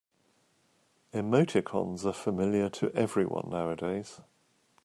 Emoticons are familiar to everyone nowadays.